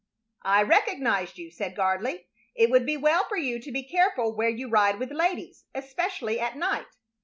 "I recognized you," said Gardley. "It would be well for you to be careful where you ride with ladies, especially at night.